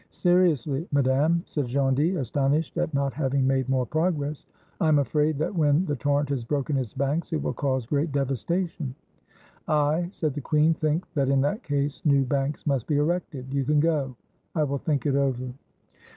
"Seriously, Madame," said Gondy, astonished at not having made more progress; "I am afraid that when the torrent has broken its banks it will cause great devasta tion." "I," said the queen, "think that in that case new banks must be erected. You can go. I will think it over."